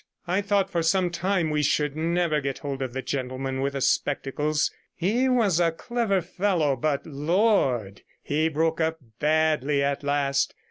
I thought for some time we should never get hold of the gentleman with the spectacles. He was a clever fellow, but, Lord! he broke up badly at last.